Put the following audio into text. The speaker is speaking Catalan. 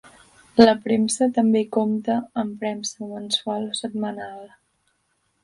La premsa també compta amb premsa mensual o setmanal.